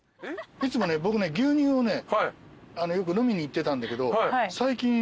いつも僕ね牛乳をねよく飲みに行ってたんだけど最近その店に行くとね。